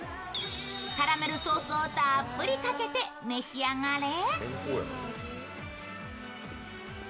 カラメルソースをたっぷりかけて召し上がれ。